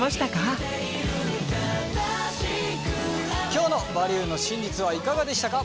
今日の「バリューの真実」はいかがでしたか？